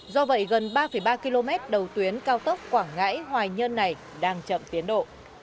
do vậy gần ba ba km đầu tuyến cao tốc quảng ngãi hoài nhơn này đang chậm tiến độ